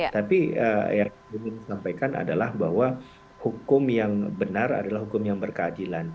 tapi yang ingin disampaikan adalah bahwa hukum yang benar adalah hukum yang berkeadilan